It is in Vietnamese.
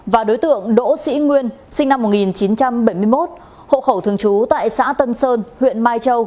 và đối tượng đỗ sĩ nguyên sinh năm một nghìn chín trăm bảy mươi một hộ khẩu thường trú tại xã tân sơn huyện mai châu